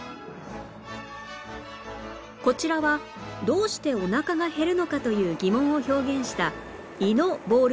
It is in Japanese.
こちらは「どうしておなかが減るのか」という疑問を表現した胃のボールプール